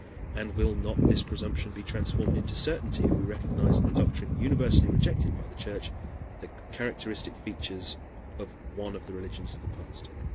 And will not this presumption be transformed into certainty if we recognize in the doctrine universally rejected by the Church the characteristic features of one of the religions of the past?